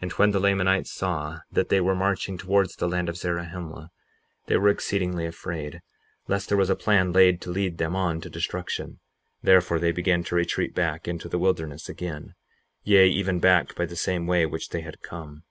58:24 And when the Lamanites saw that they were marching towards the land of Zarahemla, they were exceedingly afraid, lest there was a plan laid to lead them on to destruction; therefore they began to retreat into the wilderness again, yea, even back by the same way which they had come.